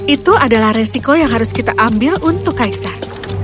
itu adalah resiko yang harus kita ambil untuk kaisar